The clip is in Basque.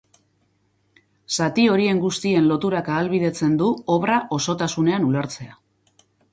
Zati horien guztien loturak ahalbidetzen du obra osotasunean ulertzea.